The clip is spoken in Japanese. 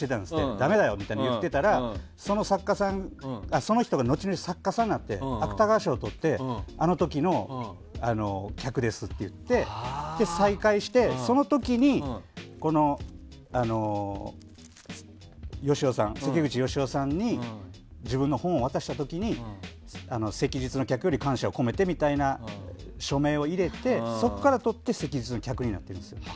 ダメだよみたいに言ってたらその人がその人が後々、作家さんになって芥川賞とってあの時の客ですって言って再会してその時に関口良雄さんに自分の本を渡した時に「昔日の客より感謝を込めて」みたいな署名を入れてそこからとって「昔日の客」になってるんです。